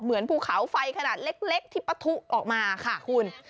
ภูเขาไฟขนาดเล็กที่ปะทุออกมาค่ะคุณ